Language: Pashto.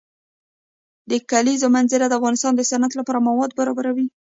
د کلیزو منظره د افغانستان د صنعت لپاره مواد برابروي.